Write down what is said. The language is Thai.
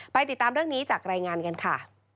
ติดตามเรื่องนี้จากรายงานกันค่ะ